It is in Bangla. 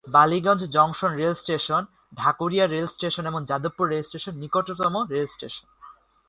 Ballygunge junction rail station, Dhakuria rail station এবং যাদবপুর রেল স্টেশন নিকটতম রেলস্টেশন।